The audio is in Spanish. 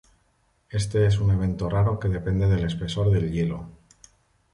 Este es un evento raro que depende del espesor del hielo.